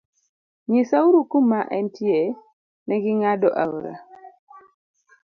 Nyisa uru kuma entie negi ng'ado aora.